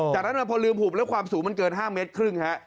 จากนั้นพอลืมหุบแล้วความสูงมันเกิน๕เมตรครึ่งฮะ